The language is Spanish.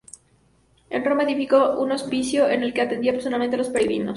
En Roma, edificó un hospicio en el que atendía personalmente a los peregrinos.